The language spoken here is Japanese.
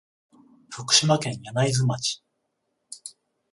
福島県柳津町